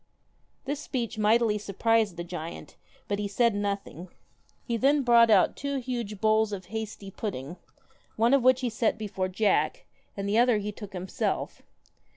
This speech mightily surprised the giant, but he said nothing. He then brought out two huge bowls of hasty pudding, one of which he set before Jack, and the other he took himself.